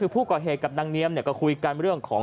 ผู้ก่อเหตุกับนางเนียมก็คุยกันเรื่องของ